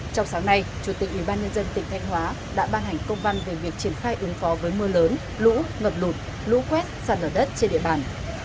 trong sáng nay chủ tịch ủy ban nhân dân tỉnh thanh hóa đã ban hành công văn về việc triển khai ứng phó với mưa lớn lũ ngập lụt lũ quét sạt lở đất trên địa bàn